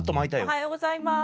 おはようございます。